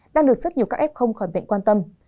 đang được rất nhiều các f không khỏi bệnh quan tâm